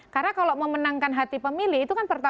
karena kalau memenangkan hati pemilih itu kan pertaruhan